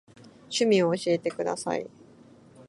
趣味を教えてください。